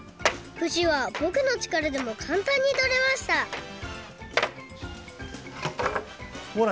ふしはぼくのちからでもかんたんにとれましたほら